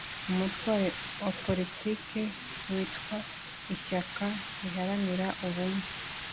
umutwe wa politiki witwa ishyaka riharanira ubumwe